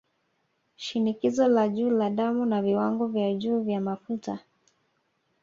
Shinikizo la juu la damu na Viwango vya juu vya Mafuta